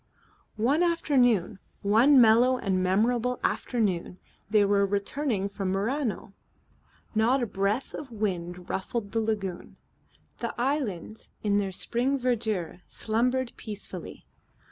One afternoon, one mellow and memorable afternoon, they were returning from Murano. Not a breath of wind ruffled the lagoon. The islands in their spring verdure slumbered peacefully.